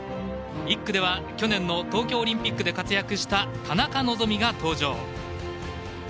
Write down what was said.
１区では去年の東京オリンピックで活躍した田中希実が登場。